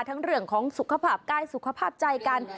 ทั้งเรื่องของสุขภาพไกลสุขภาพใจกัน